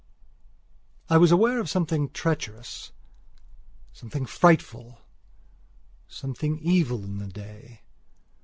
I was aware of something treacherous, something frightful, something evil in the day.